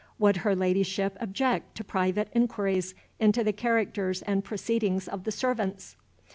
Would her Ladyship object to private inquiries into the characters and proceedings of the servants?